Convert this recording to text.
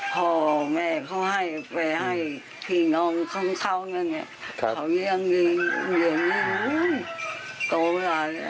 พ่อแม่เขาให้ไปให้พี่น้องของเขาเนี่ยเขาเลี้ยงเลี้ยงโตหลายแล้ว